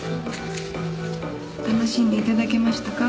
楽しんでいただけましたか？